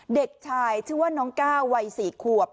เด็กชายชื่อว่าน้องก้าววัย๔ขวบ